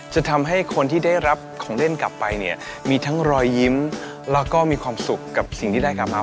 จะทำให้คนที่ได้รับของเล่นกลับไปเนี่ยมีทั้งรอยยิ้มแล้วก็มีความสุขกับสิ่งที่ได้กลับมา